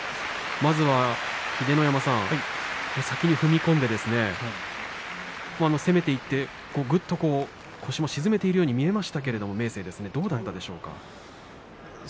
秀ノ山さん、先に踏み込んで攻めていってぐっと腰も沈めているように見えましたけれども明生どうでしょうか。